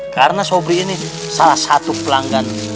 karena sobri ini salah satu pelanggan